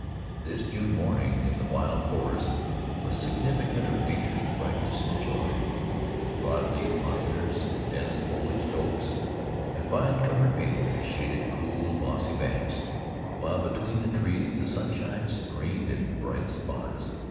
This June morning in the wild forest was significant of nature's brightness and joy. Broad leaved poplars, dense foliaged oaks, and vine covered maples shaded cool, mossy banks, while between the trees the sunshine streamed in bright spots.